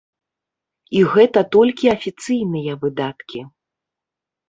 І гэта толькі афіцыйныя выдаткі.